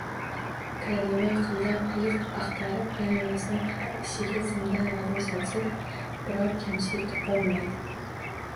Karima qildan qiyiq axtarib, qaynonasining har ishiga zimdan razm solsa-da, biror kamchilik topolmaydi